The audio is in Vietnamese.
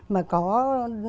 mà có đồng ý